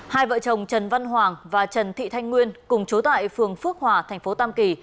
hai vợ chồng trần văn hoàng và trần thị thanh nguyên cùng chú tại phường phước hòa thành phố tam kỳ